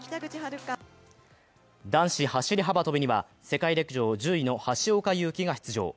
男子走り幅跳びには世界陸上１０位の橋岡優輝が出場。